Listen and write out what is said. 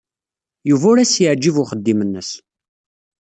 Yuba ur as-yeɛjib uxeddim-nnes.